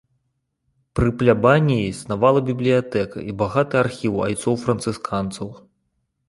Пры плябаніі існавала бібліятэка і багаты архіў айцоў францысканцаў.